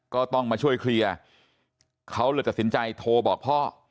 ก็ต้องมาช่วยเคลียร์เขาเลยตัดสินใจโทรบอกพ่อ